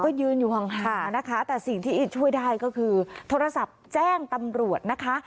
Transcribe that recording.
ก็ยืนอยู่ห่างนะคะแต่สิ่งที่ช่วยได้ก็คือโทรศัพท์แจ้งตำรวจนะคะ